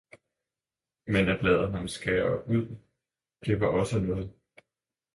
men at lade ham skære ud det var også noget.